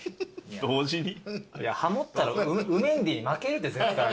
ハモったら「ウメンディ」に負けるって絶対。